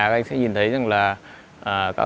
các anh sẽ nhìn thấy là